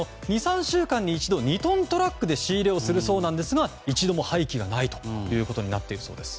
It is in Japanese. ２３週間に一度２トントラックで仕入れをするそうなんですが一度も廃棄がないということになっているそうです。